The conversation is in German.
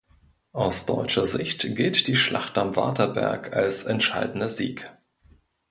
Aus deutscher Sicht gilt die Schlacht am Waterberg als entscheidender Sieg.